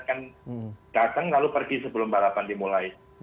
kan datang lalu pergi sebelum balapan dimulai